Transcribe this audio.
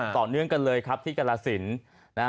ต่อเนื่องกันเลยครับที่กรสินนะฮะ